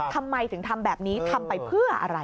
ทำไมถึงทำแบบนี้ทำไปเพื่ออะไร